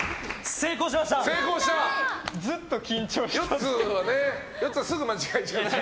成功しました！